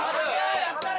・やったれ！